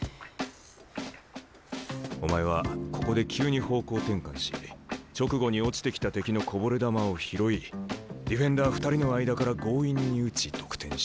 お前はここで急に方向転換し直後に落ちてきた敵のこぼれ球を拾いディフェンダー２人の間から強引に打ち得点した。